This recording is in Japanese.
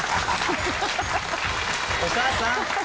お母さん。